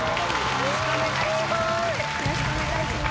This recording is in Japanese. よろしくお願いします。